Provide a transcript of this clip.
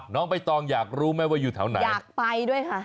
น้องใบตองอยากรู้ไหมว่าอยู่แถวไหนอยากไปด้วยค่ะ